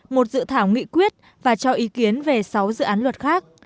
một dự thảo nghị quyết và cho ý kiến về sáu dự án luật khác